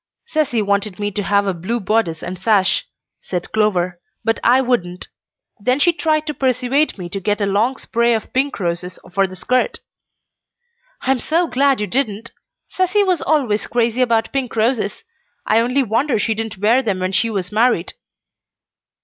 "Cecy wanted me to have a blue bodice and sash," said Clover, "but I wouldn't. Then she tried to persuade me to get a long spray of pink roses for the skirt." "I'm so glad you didn't! Cecy was always crazy about pink roses. I only wonder she didn't wear them when she was married!"